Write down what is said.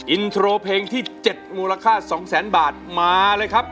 อินโทรเพลงที่๗มูลค่า๒แสนบาทมาเลยครับ